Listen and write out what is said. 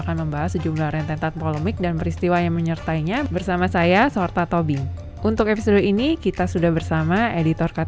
ambil hubungan internasional waktu itu